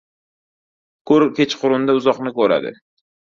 • Ko‘r kechqurunda uzoqni ko‘radi.